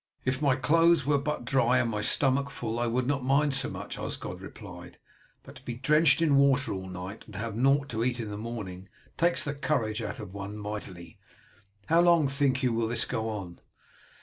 "If my clothes were but dry and my stomach full I would not mind so much," Osgod replied; "but to be drenched in water all night and to have nought to eat in the morning, takes the courage out of one mightily. How long, think you, will this go on?"